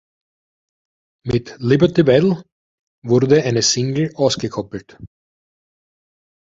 Mit "Liberty Bell" wurde eine Single ausgekoppelt.